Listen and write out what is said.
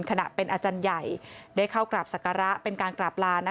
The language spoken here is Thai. ขณะเป็นอาจารย์ใหญ่ได้เข้ากราบศักระเป็นการกราบลา